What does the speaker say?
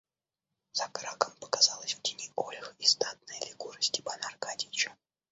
За Краком показалась в тени ольх и статная фигура Степана Аркадьича.